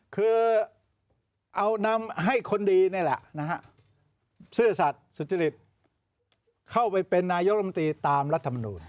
คือเอานำให้คนดีนี่แหละนะฮะซื่อสัตว์สุจริตเข้าไปเป็นนายกรรมตรีตามรัฐมนูล